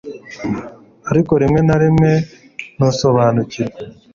ariko rimwe na rimwe ntusobanukirwe